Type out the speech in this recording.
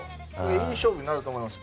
いい勝負になると思います。